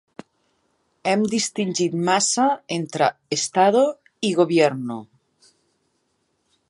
Hem distingit massa entre “Estado” i “Gobierno”.